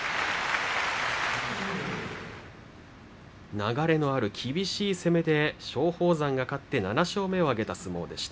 流れのある厳しい攻めで松鳳山が勝って７勝目を挙げた相撲でした。